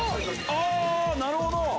ああーなるほど！